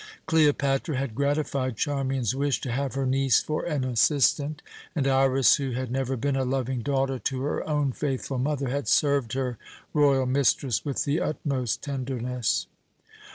Cleopatra had gratified Charmian's wish to have her niece for an assistant; and Iras, who had never been a loving daughter to her own faithful mother, had served her royal mistress with the utmost tenderness.